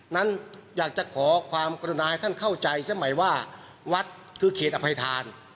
นั้นอยากจะขอความกรุณาให้ท่านเข้าใจสมัยว่าวัดคือเขตอภัยธาน